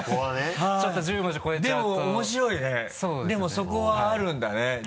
でもそこはあるんだね。